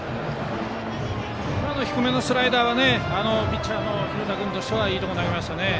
今のスライダーはピッチャーの廣田君としてはいいところに投げましたね。